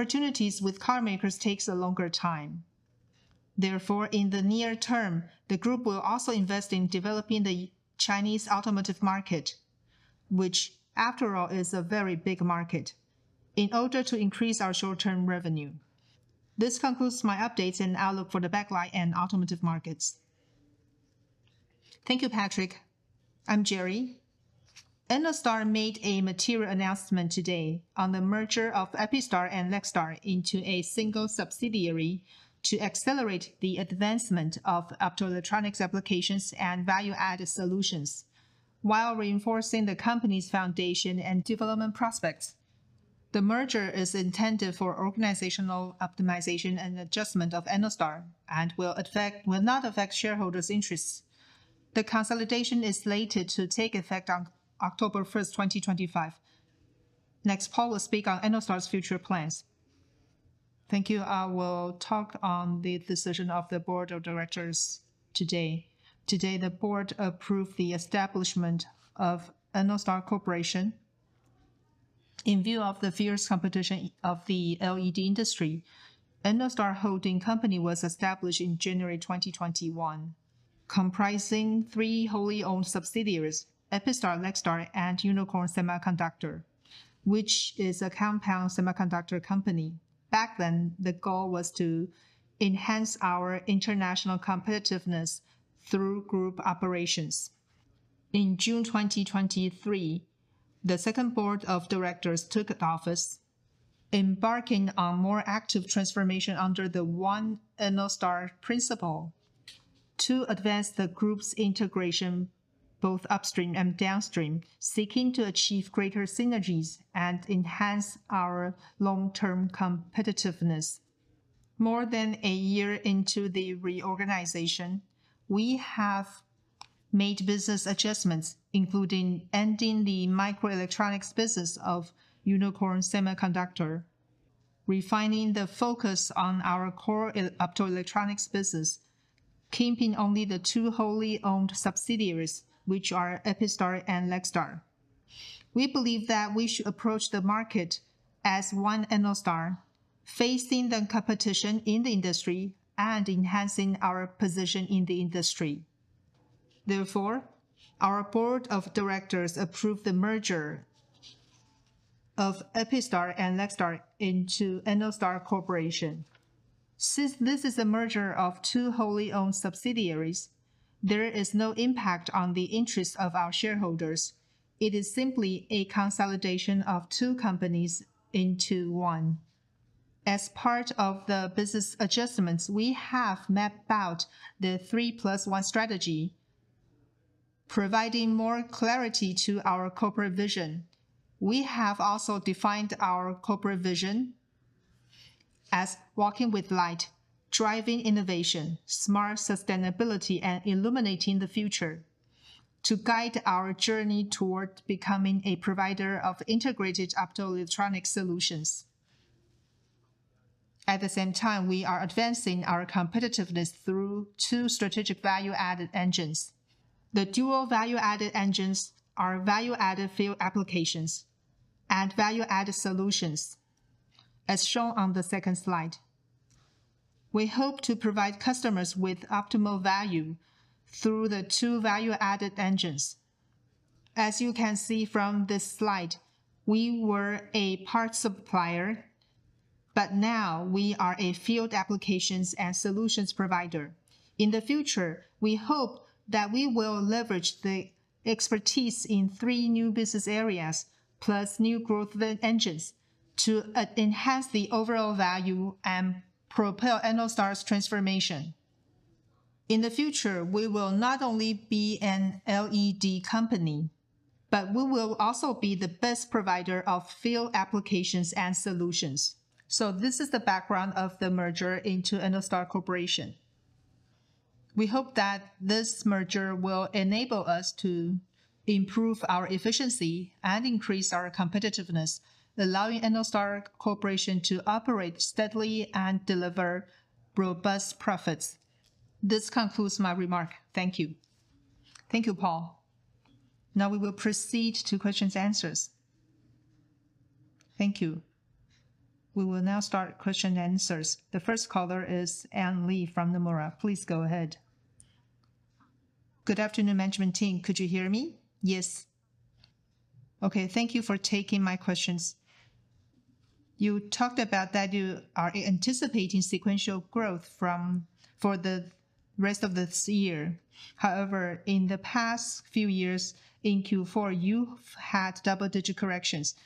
Opportunities with car makers take a longer time. Therefore, in the near term, the group will also invest in developing the Chinese automotive market, which, after all, is a very big market, in order to increase our short-term revenue. This concludes my updates and outlook for the backlight and automotive markets. Thank you, Patrick. I'm Jerry. Ennostar made a material announcement today on the merger of EPISTAR and Lextar into a single subsidiary to accelerate the advancement of optoelectronics applications and value-added solutions, while reinforcing the company's foundation and development prospects. The merger is intended for organizational optimization and adjustment of Ennostar and will not affect shareholders' interests. The consolidation is slated to take effect on October 1st, 2025. Next, Paul will speak on Ennostar's future plans. Thank you. I will talk on the decision of the board of directors today. Today, the board approved the establishment of Ennostar Corporation. In view of the fierce competition of the LED industry, Ennostar Holding Company was established in January 2021, comprising three wholly owned subsidiaries: EPISTAR, Lextar, and Unikorn Semiconductor, which is a compound semiconductor company. Back then, the goal was to enhance our international competitiveness through group operations. In June 2023, the second board of directors took office, embarking on more active transformation under the One Ennostar principle to advance the group's integration both upstream and downstream, seeking to achieve greater synergies and enhance our long-term competitiveness. More than a year into the reorganization, we have made business adjustments, including ending the microelectronics business of Unikorn Semiconductor, refining the focus on our core optoelectronics business, keeping only the two wholly owned subsidiaries, which are EPISTAR and Lextar. We believe that we should approach the market as One Ennostar, facing the competition in the industry and enhancing our position in the industry. Therefore, our board of directors approved the merger of EPISTAR and Lextar into Ennostar Corporation. Since this is a merger of two wholly owned subsidiaries, there is no impact on the interests of our shareholders. It is simply a consolidation of two companies into one. As part of the business adjustments, we have mapped out the 3+1 strategy, providing more clarity to our corporate vision. We have also defined our corporate vision as walking with light, driving innovation, smart sustainability, and illuminating the future to guide our journey toward becoming a provider of integrated optoelectronics solutions. At the same time, we are advancing our competitiveness through two strategic value-added engines. The dual value-added engines are value-added field applications and value-added solutions, as shown on the second slide. We hope to provide customers with optimal value through the two value-added engines. As you can see from this slide, we were a parts supplier, but now we are a field applications and solutions provider. In the future, we hope that we will leverage the expertise in three new business areas, plus new growth engines, to enhance the overall value and propel Ennostar's transformation. In the future, we will not only be an LED company, but we will also be the best provider of field applications and solutions. So this is the background of the merger into Ennostar Corporation. We hope that this merger will enable us to improve our efficiency and increase our competitiveness, allowing Ennostar Corporation to operate steadily and deliver robust profits. This concludes my remark. Thank you. Thank you, Paul. Now we will proceed to questions and answers. Thank you. We will now start questions and answers. The first caller is Anne Lee from Nomura. Please go ahead. Good afternoon, management team. Could you hear me? Yes. Okay. Thank you for taking my questions. You talked about that you are anticipating sequential growth for the rest of this year. However, in the past few years in Q4, you had double-digit corrections.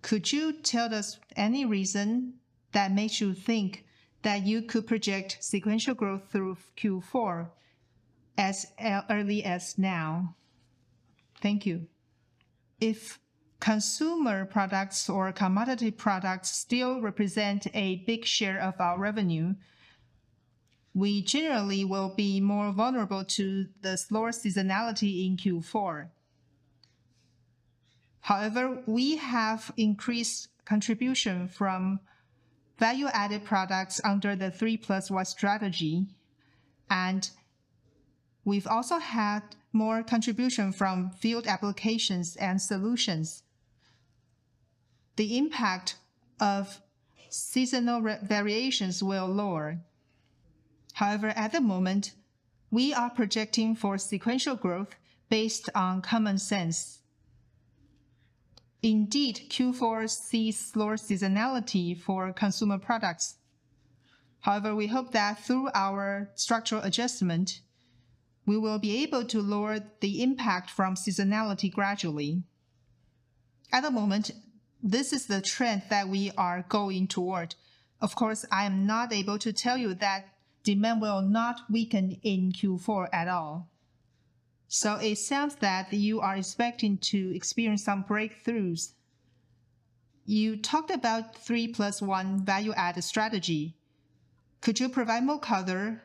Could you tell us any reason that makes you think that you could project sequential growth through Q4 as early as now? Thank you. If consumer products or commodity products still represent a big share of our revenue, we generally will be more vulnerable to the slower seasonality in Q4. However, we have increased contribution from value-added products under the 3+1 strategy, and we've also had more contribution from field applications and solutions. The impact of seasonal variations will lower. However, at the moment, we are projecting for sequential growth based on common sense. Indeed, Q4 sees slower seasonality for consumer products. However, we hope that through our structural adjustment, we will be able to lower the impact from seasonality gradually. At the moment, this is the trend that we are going toward. Of course, I am not able to tell you that demand will not weaken in Q4 at all. So it sounds like you are expecting to experience some breakthroughs. You talked about 3+1 value-added strategy. Could you provide more color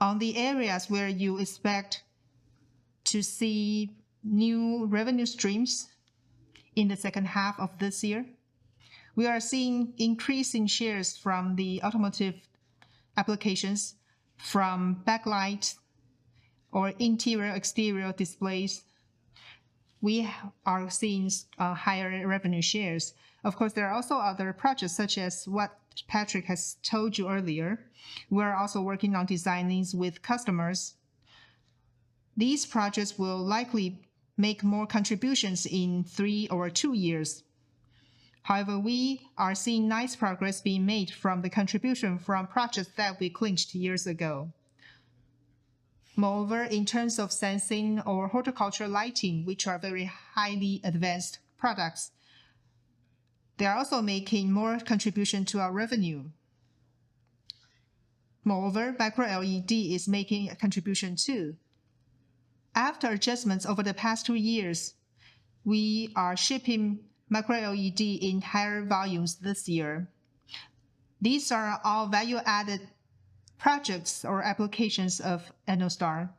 on the areas where you expect to see new revenue streams in the second half of this year? We are seeing increasing shares from the automotive applications, from backlight or interior-exterior displays. We are seeing higher revenue shares. Of course, there are also other projects, such as what Patrick has told you earlier. We are also working on designs with customers. These projects will likely make more contributions in three or two years. However, we are seeing nice progress being made from the contribution from projects that we clinched years ago. Moreover, in terms of sensing or horticulture lighting, which are very highly advanced products, they are also making more contribution to our revenue. Moreover, micro-LED is making a contribution too. After adjustments over the past two years, we are shipping micro-LED in higher volumes this year. These are all value-added projects or applications of Ennostar.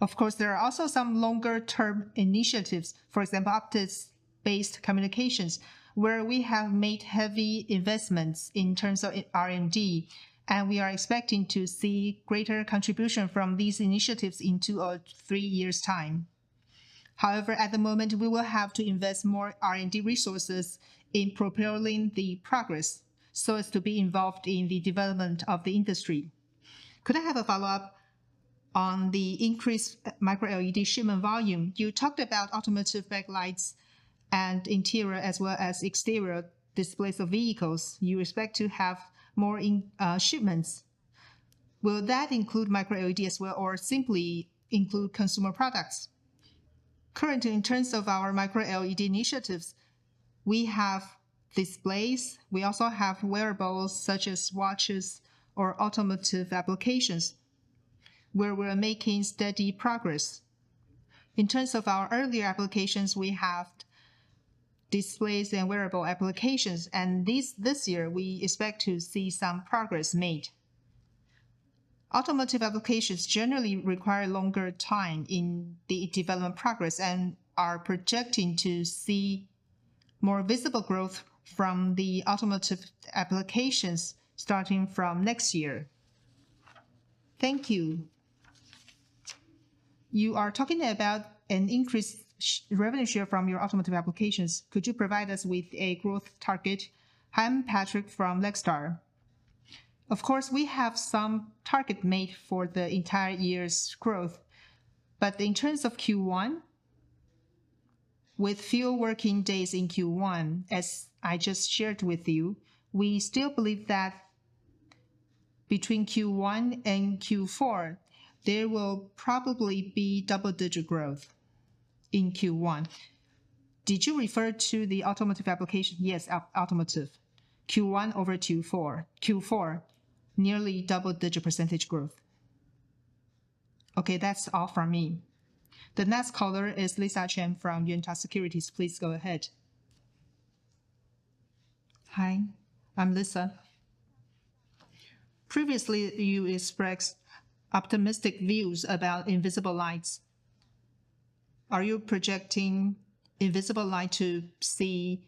Of course, there are also some longer-term initiatives, for example, optics-based communications, where we have made heavy investments in terms of R&D, and we are expecting to see greater contribution from these initiatives in two or three years' time. However, at the moment, we will have to invest more R&D resources in propelling the progress so as to be involved in the development of the industry. Could I have a follow-up on the increased micro-LED shipment volume? You talked about automotive backlights and interior as well as exterior displays of vehicles. You expect to have more shipments. Will that include micro-LED as well or simply include consumer products? Currently, in terms of our micro-LED initiatives, we have displays. We also have wearables such as watches or automotive applications, where we are making steady progress. In terms of our earlier applications, we have displays and wearable applications, and this year, we expect to see some progress made. Automotive applications generally require longer time in the development progress and are projecting to see more visible growth from the automotive applications starting from next year. Thank you. You are talking about an increased revenue share from your automotive applications. Could you provide us with a growth target? I'm Patrick from Lextar. Of course, we have some target made for the entire year's growth, but in terms of Q1, with few working days in Q1, as I just shared with you, we still believe that between Q1 and Q4, there will probably be double-digit growth in Q1. Did you refer to the automotive application? Yes, automotive. Q1 over Q4. Q4, nearly double-digit percentage growth. Okay, that's all from me. The next caller is Lisa Chen from Yuanta Securities. Please go ahead. Hi, I'm Lisa. Previously, you expressed optimistic views about invisible lights. Are you projecting invisible light to see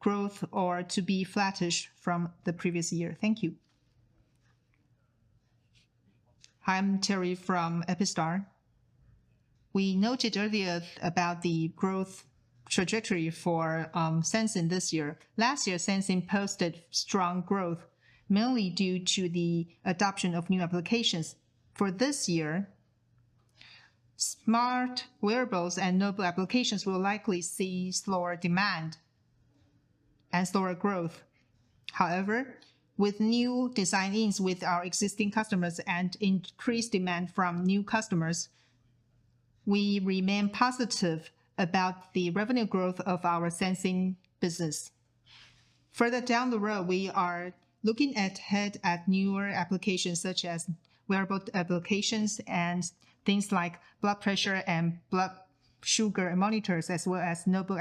growth or to be flattish from the previous year? Thank you. Hi, I'm Terry from EPISTAR. We noted earlier about the growth trajectory for Sensing this year. Last year, Sensing posted strong growth, mainly due to the adoption of new applications. For this year, smart wearables and mobile applications will likely see slower demand and slower growth. However, with new designs with our existing customers and increased demand from new customers, we remain positive about the revenue growth of our sensing business. Further down the road, we are looking ahead at newer applications such as wearable applications and things like blood pressure and blood sugar monitors, as well as mobile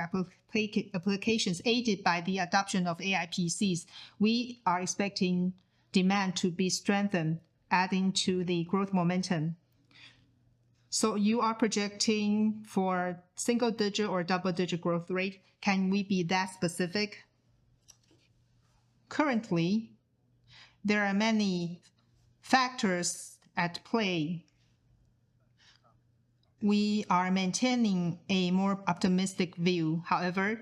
applications aided by the adoption of AI PCs. We are expecting demand to be strengthened, adding to the growth momentum. So you are projecting for single-digit or double-digit growth rate? Can we be that specific? Currently, there are many factors at play. We are maintaining a more optimistic view. However,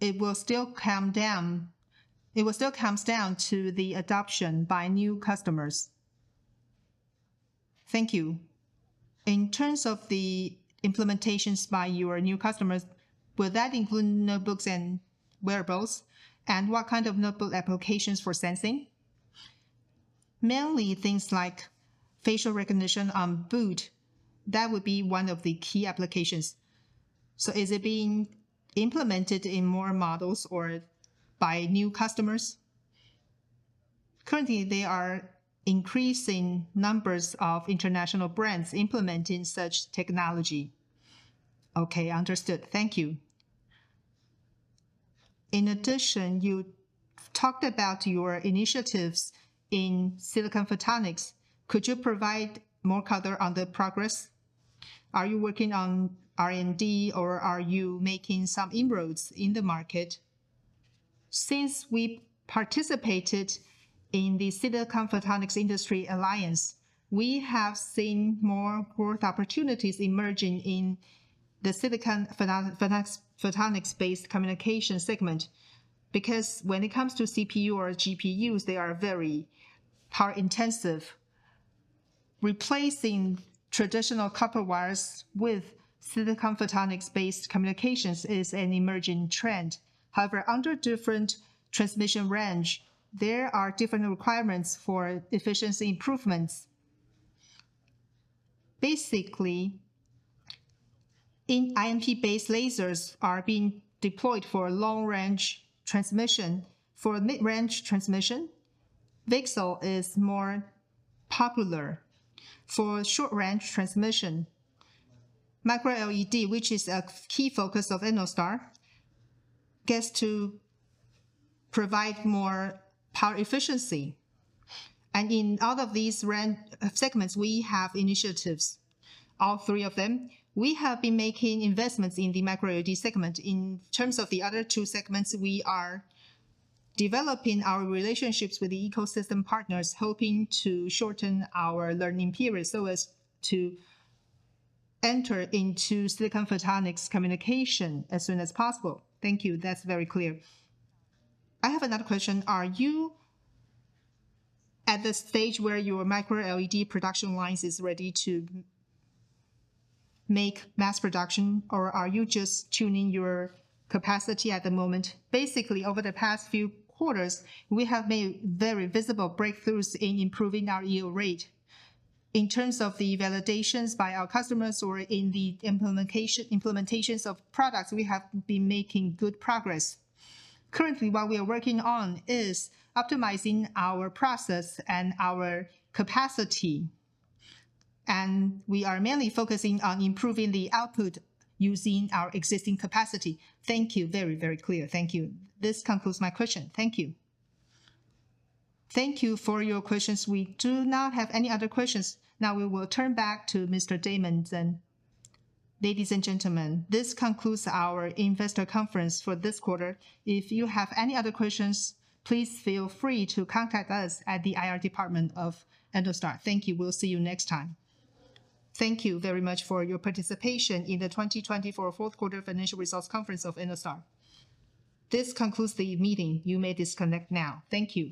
it will still come down to the adoption by new customers. Thank you. In terms of the implementations by your new customers, will that include notebooks and wearables? What kind of notebook applications for sensing? Mainly, things like facial recognition on boot. That would be one of the key applications. So is it being implemented in more models or by new customers? Currently, there are increasing numbers of international brands implementing such technology. Okay, understood. Thank you. In addition, you talked about your initiatives in silicon photonics. Could you provide more color on the progress? Are you working on R&D, or are you making some inroads in the market? Since we participated in the Silicon Photonics Industry Alliance, we have seen more growth opportunities emerging in the silicon photonics-based communication segment. Because when it comes to CPU or GPUs, they are very power-intensive. Replacing traditional copper wires with silicon photonics-based communications is an emerging trend. However, under different transmission range, there are different requirements for efficiency improvements. Basically, InP-based lasers are being deployed for long-range transmission. For mid-range transmission, VCSEL is more popular. For short-range transmission, micro-LED, which is a key focus of Ennostar, gets to provide more power efficiency. And in all of these segments, we have initiatives, all three of them. We have been making investments in the micro-LED segment. In terms of the other two segments, we are developing our relationships with the ecosystem partners, hoping to shorten our learning period so as to enter into silicon photonics communication as soon as possible. Thank you. That's very clear. I have another question. Are you at the stage where your micro-LED production lines are ready to make mass production, or are you just tuning your capacity at the moment? Basically, over the past few quarters, we have made very visible breakthroughs in improving our yield rate. In terms of the validations by our customers or in the implementations of products, we have been making good progress. Currently, what we are working on is optimizing our process and our capacity, and we are mainly focusing on improving the output using our existing capacity. Thank you. Very, very clear. Thank you. This concludes my question. Thank you. Thank you for your questions. We do not have any other questions. Now we will turn back to Mr. Damon then. Ladies and gentlemen, this concludes our investor conference for this quarter. If you have any other questions, please feel free to contact us at the IR department of Ennostar. Thank you. We'll see you next time. Thank you very much for your participation in the 2024 Fourth Quarter Financial Results Conference of Ennostar. This concludes the meeting. You may disconnect now. Thank you.